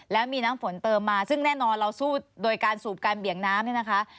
แล้วมีน้ำฝนเติมมาซึ่งแน่นอนเราสู้โดยการสูบการเบี่ยงน้ำเนี่ยนะคะ